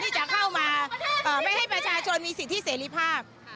ที่จะเข้ามาไม่ให้ประชาชนมีสิทธิเสรีภาพ